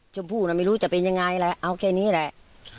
ชมพู่น่ะไม่รู้จะเป็นยังไงแหละเอาแค่นี้แหละ